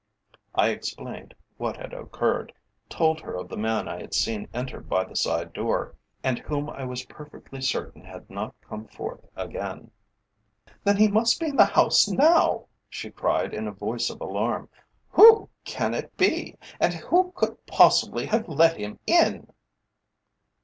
I explained what had occurred, told her of the man I had seen enter by the side door, and whom I was perfectly certain had not come forth again. "Then he must be in the house now," she cried in a voice of alarm. "Who can it be, and who could possibly have let him in?"